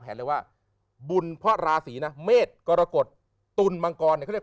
เลยว่าบุญเพราะราศีนะเมฆกรกฎตุลมังกรเนี่ยเขาเรียก